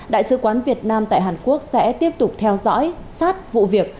đại sứ quán việt nam tại hàn quốc sẽ tiếp tục theo dõi sát vụ việc